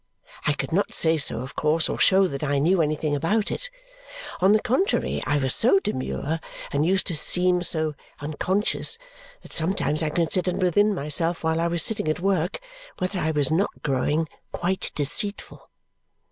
I could not say so, of course, or show that I knew anything about it. On the contrary, I was so demure and used to seem so unconscious that sometimes I considered within myself while I was sitting at work whether I was not growing quite deceitful.